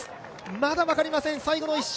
まだ分かりません、最後の１周。